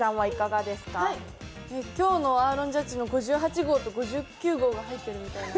今日のアーロン・ジャッジの５８号と５９号が入っているような。